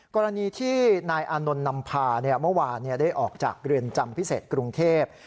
กรณีที่นายอานนท์นำพาเมื่อวานได้ออกจากเรือนจำพิเศษกรุงเทพ